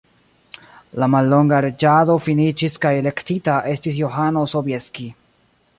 La mallonga reĝado finiĝis kaj elektita estis Johano Sobieski.